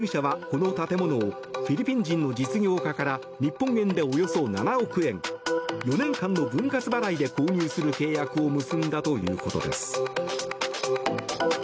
関係者らによると渡邉容疑者は、この建物をフィリピン人の実業家から日本円でおよそ７億円４年間の分割払いで購入する契約を結んだということです。